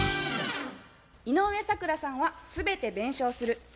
井上咲楽さんは「全て弁償する」